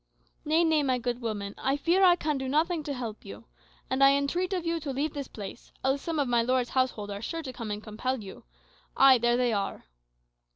"Nay, nay, my good woman; I fear I can do nothing to help you. And I entreat of you to leave this place, else some of my lord's household are sure to come and compel you. Ay, there they are."